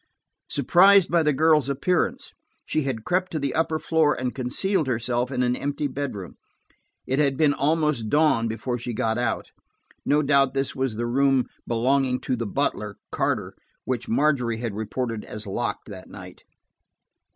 Surprised by the girl's appearance, she had crept to the upper floor and concealed herself in an empty bedroom. It had been almost dawn before she got out. No doubt this was the room belonging to the butler, Carter, which Margery had reported as locked that night.